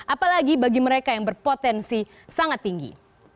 apalagi bagi mereka yang berpotensi sangat tinggi